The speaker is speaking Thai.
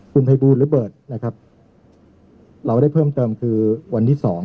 คุณภัยบูลหรือเบิร์ตนะครับเราได้เพิ่มเติมคือวันที่สอง